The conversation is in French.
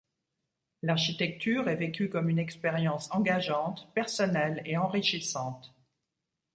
L’architecture est vécue comme expérience engageante, personnelle et enrichissante.